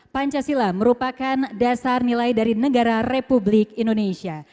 pancasila merupakan dasar nilai dari negara republik indonesia